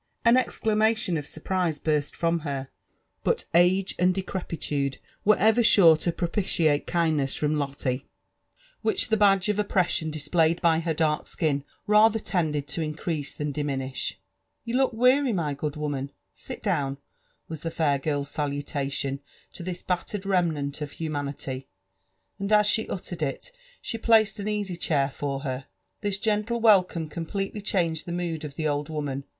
An exclamation of surprise burst from her ; but age and decrepi tude were ever sure to propitiate Tiindness from Lotte, which the ive LIP£ AKD ADVENTUftBS OF badge of oppression displayed by her dark skin rather tended to in crease Ihan diminish. •' You look weary, my good woman, — sit down/* was the fair girl's salutation to this battered remnant of humanity ; and as she uttered it, she placed an easy chair for her. This gentle welcome completely changed the mood of the old woman.